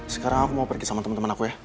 sekarang aku mau pergi sama temen temen aku ya